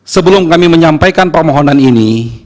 sebelum kami menyampaikan permohonan ini